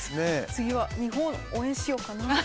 次は日本応援しようかな。